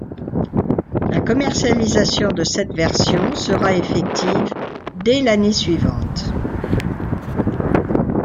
La commercialisation de cette version sera effective dès l'année suivante.